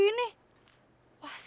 wah sialan anak anak